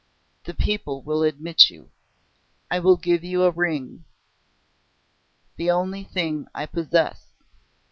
The people will admit you. I will give you a ring the only thing I possess....